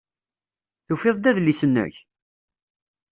Tufiḍ-d adlis-nnek?